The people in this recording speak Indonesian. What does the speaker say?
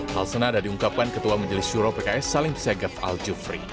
hal senada diungkapkan ketua menjelis juro pks salim segev al jufri